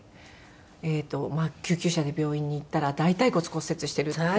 えっとまあ救急車で病院に行ったら大腿骨骨折してるっていう。